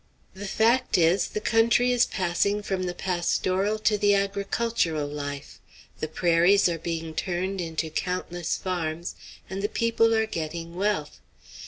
The fact is, the country is passing from the pastoral to the agricultural life, the prairies are being turned into countless farms, and the people are getting wealth.